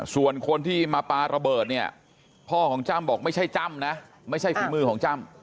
ส่วนคนที่มาปลาระเบิดเนี่ยพ่อของจ้ำบอกไม่ใช่จ้ำนะไม่ใช่ฝีมือของจ้ำ